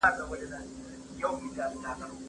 په بدیو کي نجلۍ ورکول روا نه دي.